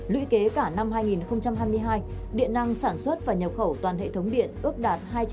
lũy kế cả năm hai nghìn hai mươi hai điện năng sản xuất và nhập khẩu toàn hệ thống điện ước đạt hai trăm bảy mươi năm ba trăm chín mươi chín tỷ kwh